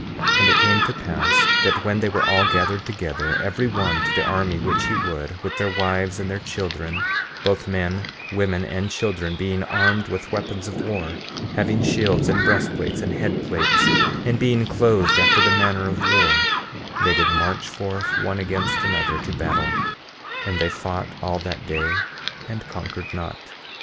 15:15 And it came to pass that when they were all gathered together, every one to the army which he would, with their wives and their children—both men women and children being armed with weapons of war, having shields, and breastplates, and head plates, and being clothed after the manner of war—they did march forth one against another to battle; and they fought all that day, and conquered not.